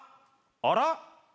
あら？